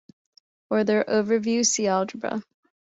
For their overview, see Algebra.